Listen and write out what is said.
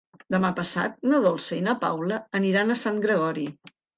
Demà passat na Dolça i na Paula aniran a Sant Gregori.